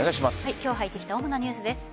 今日入ってきた主なニュースです。